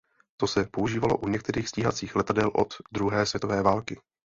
To se používalo u některých stíhacích letadel od Druhé světové války.